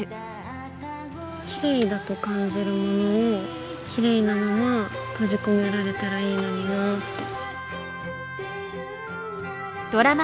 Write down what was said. きれいだと感じるものをきれいなまま閉じ込められたらいいのになぁって。